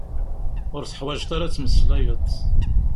Ur teḥwaǧeḍ ara ad tmeslayeḍ.